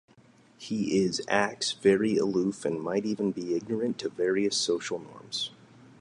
He is acts very aloof and might even be ignorant to various social norms.